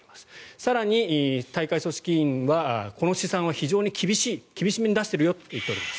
更に、大会組織委はこの試算は非常に厳しめに出しているといっています。